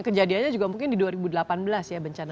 kejadiannya juga mungkin di dua ribu delapan belas ya bencana